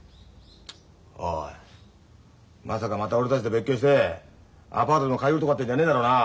おいまさかまた俺たちと別居してアパートでも借りるとかってんじゃねえだろうな。